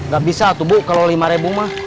gak bisa tuh bu kalau lima ribu mah